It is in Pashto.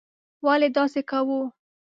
ولې داسې کوو.